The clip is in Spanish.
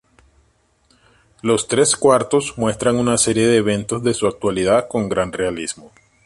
Los tres cuartos muestran una serie de eventos de su actualidad con gran realismo.